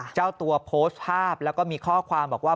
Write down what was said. เจ้าตัวโพสต์ภาพแล้วก็มีข้อความบอกว่า